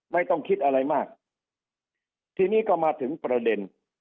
ไม่ต้องคิดอะไรมากทีนี้ก็มาถึงประเด็น